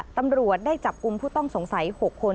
ตำรวจได้จับกลุ่มผู้ต้องสงสัย๖คน